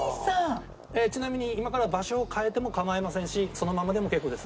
ちなみに今から場所を変えても構いませんしそのままでも結構です。